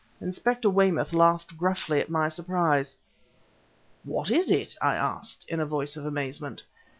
Inspector Weymouth laughed gruffly at my surprise. "What is it?" I asked, in a voice of amazement.